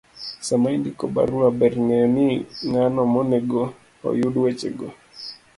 Sama indiko barua , ber ng'eyo ni ng'ano monego oyud wechego,